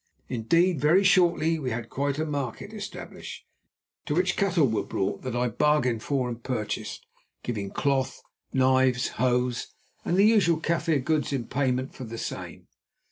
Indeed, very shortly we had quite a market established, to which cattle were brought that I bargained for and purchased, giving cloth, knives, hoes, and the usual Kaffir goods in payment for the same.